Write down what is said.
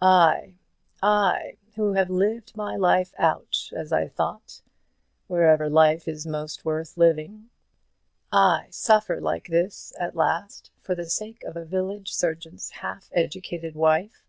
"I I, who have lived my life out, as I thought, wherever life is most worth living, I suffer like this at last for the sake of a village surgeon's half educated wife?